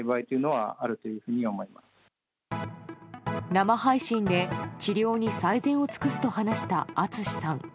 生配信で治療に最善を尽くすと話したＡＴＳＵＳＨＩさん。